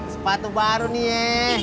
sepatu baru nih ye